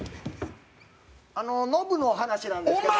あのノブの話なんですけどね。